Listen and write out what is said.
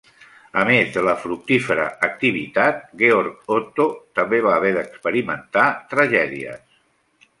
A més de la fructífera activitat, Georg Otto també va haver d'experimentar tragèdies.